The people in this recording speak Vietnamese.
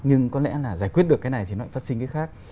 nhưng có lẽ là giải quyết được cái này thì nó lại phát sinh cái khác